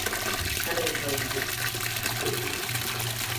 พะเนินเทินทึก